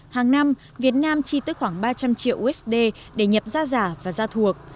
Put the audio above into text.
hàng năm việt nam chi tới khoảng ba trăm linh triệu usd để nhập ra giả và gia thuộc